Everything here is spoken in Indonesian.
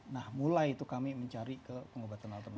nah mulai itu kami mencari ke pengobatan alternatif